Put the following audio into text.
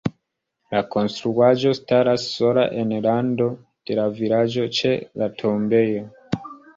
La konstruaĵo staras sola en rando de la vilaĝo ĉe la tombejo.